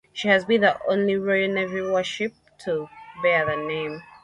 She has been the only Royal Navy warship to bear the name.